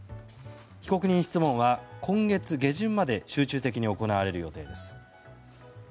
被告人質問は今月下旬まで集中的に行われる予定です。